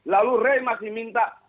lalu rai masih minta bicara lagi